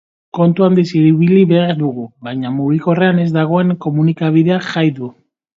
Kontu handiz ibili behar dugu, baina mugikorrean ez dagoen komunikabideak jai du.